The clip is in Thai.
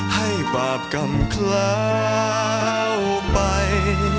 ให้บาปกำเคลาไป